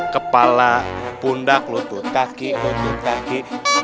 kepala pundak lutut kaki bentuk kaki